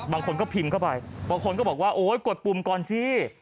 บางคนก็พิมพ์เข้าไปบางคนก็บอกว่าโอ๊ยกดปุ่มก่อนสิ